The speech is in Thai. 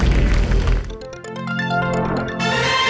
สวัสดีครับ